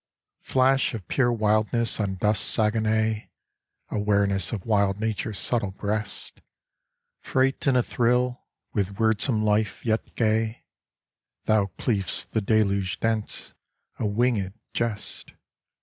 Flash of pure wildness on dusk Saguenay, Awareness of wild nature's subtle breast, Freight and athrill with weirdsome life, yet gay, Thou cleav'st the deluge dense, a wingëd jest!